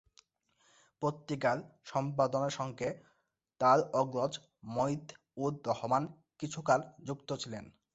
পত্রিকার সম্পাদনার সঙ্গে তার অগ্রজ মঈদ-উর-রহমান কিছুকাল যুক্ত ছিলেন।